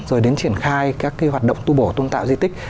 rồi đến triển khai các cái hoạt động tu bổ tôn tạo di tích